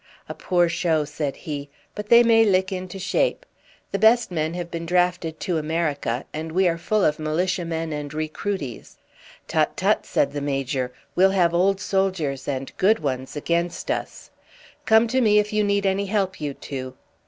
"A poor show," said he, "but they may lick into shape. The best men have been drafted to America, and we are full of Militiamen and recruities." "Tut, tut!" said the Major. "We'll have old soldiers and good ones against us. Come to me if you need any help, you two."